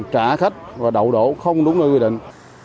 trả khách và đậu đổ không đúng nơi quy định